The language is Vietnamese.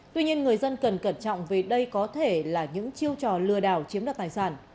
tuy nhiên người dân cần cẩn trọng vì đây có thể là những chiêu trò lừa đảo chiếm đoạt tài sản